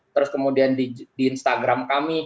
terus kemudian di instagram kami